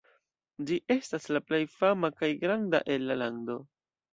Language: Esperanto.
Ĝi estas la plej fama kaj granda el la lando.